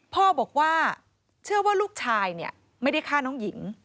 พ่อบอกว่าเชื่อว่าลูกชายเนี่ยไม่ได้ฆ่าน้องหญิง